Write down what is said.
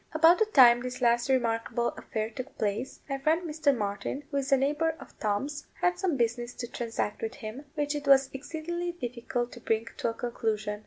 About the time this last remarkable affair took place, my friend Mr. Martin, who is a neighbour of Tom's, had some business to transact with him, which it was exceedingly difficult to bring to a conclusion.